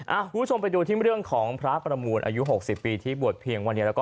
คุณผู้ชมไปดูที่เรื่องของพระประมูลอายุ๖๐ปีที่บวชเพียงวันนี้แล้วก็